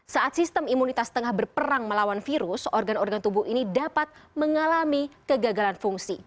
saat sistem imunitas tengah berperang melawan virus organ organ tubuh ini dapat mengalami kegagalan fungsi